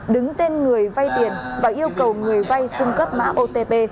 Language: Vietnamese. đứng tên người vai tiền và yêu cầu người vai cung cấp mã otp